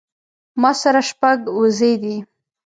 ما سره شپږ وزې دي